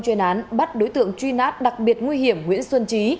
chuyên án bắt đối tượng truy nã đặc biệt nguy hiểm nguyễn xuân trí